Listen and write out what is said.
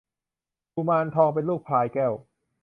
กุมารทองเป็นลูกพลายแก้ว